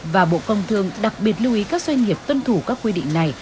và bộ công thương đặc biệt lưu ý các doanh nghiệp tuân thủ các quy định này